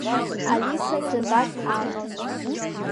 Алиса ҿаҵак ааҟалҵеит.